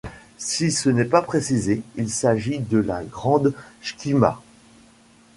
Si ce n'est pas précisé, il s'agit de la grande skhima.